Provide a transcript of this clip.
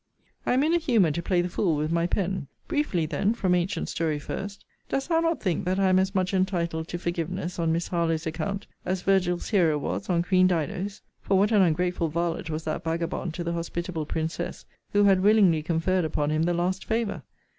I am in a humour to play the fool with my pen: briefly then, from antient story first: Dost thou not think that I am as much entitled to forgiveness on Miss Harlowe's account, as Virgil's hero was on Queen Dido's? For what an ungrateful varlet was that vagabond to the hospitable princess, who had willingly conferred upon him the last favour?